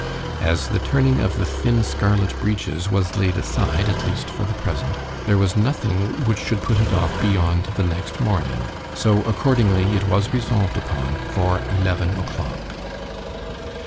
As the turning of the thin scarlet breeches was laid aside (at least for the present), there was nothing which should put it off beyond the next morning; so accordingly it was resolv'd upon, for eleven o'clock.